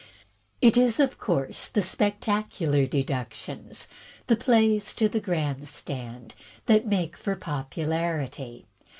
It is, of course, the spectacular deductions, the plays to the grand stand, that make for popularity.